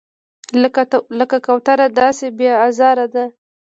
لکه کوتره داسې بې آزاره دی.